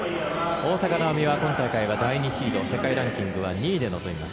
大坂なおみは今大会は第２シード世界ランキングは２位で臨みます。